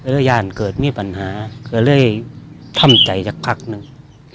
แล้วย่านเกิดมีปัญหาก็เลยทำใจสักพักหนึ่ง